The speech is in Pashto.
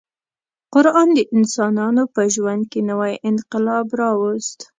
قران د انسانانو په ژوند کې نوی انقلاب راوست.